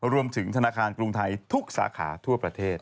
รวมถึงธนาคารกรุงไทยทุกสาขาทั่วประเทศ